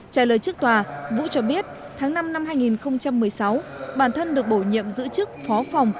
trả lời trước tòa vũ cho biết tháng năm năm hai nghìn một mươi sáu bản thân được bổ nhiệm giữ chức phó phòng